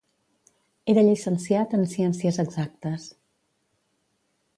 Era llicenciat en Ciències Exactes.